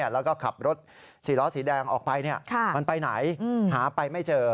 แล้วก็ขับรถ๔ล้อสีแดงออกไปมันไปไหนหาไปไม่เจอ